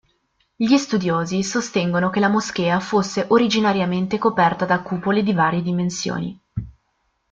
Gli studiosi sostengono che la moschea fosse originariamente coperta da cupole di varie dimensioni.